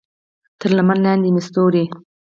تر لمن لاندې مې ستوري